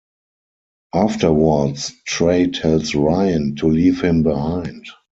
Afterwards, Trey tells Ryan to leave him behind.